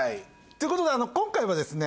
ということで今回はですね